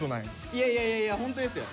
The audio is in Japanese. いやいやいやホントですよ。